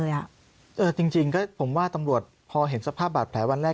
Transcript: จริงก็ผมว่าตำรวจพอเห็นสภาพบาดแผลวันแรก